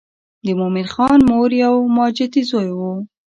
د مومن خان مور یو ماجتي زوی و.